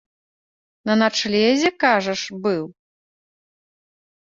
На начлезе, кажаш, быў?